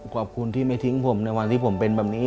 ขอบคุณที่ไม่ทิ้งผมในวันที่ผมเป็นแบบนี้